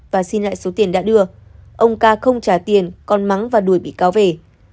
và xin lại số tiền đã đưa ông ca không trả tiền còn mắng và đuổi bị cáo về